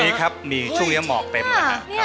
มีครับมีช่วงนี้ยังมอกเต็มแล้ว